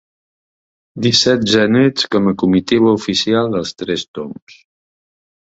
Disset genets com a comitiva oficial dels Tres Tombs.